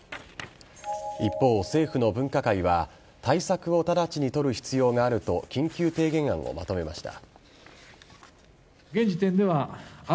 一方、政府の分科会は対策を直ちに取る必要があると緊急提言案をまとめました。